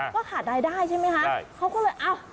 ก็ขาดรายได้ใช่ไหมคะเขาก็เลยอ้าว